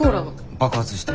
爆発して。